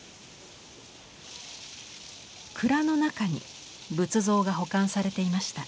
蔵の中に仏像が保管されていました。